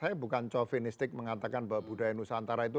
saya bukan covenistik mengatakan bahwa budaya nusantara itu